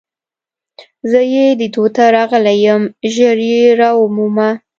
زه يې لیدو ته راغلی یم، ژر يې را ومومه.